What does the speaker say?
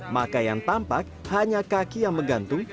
maka yang tampak hanya kaki yang menggantung